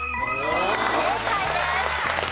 正解です。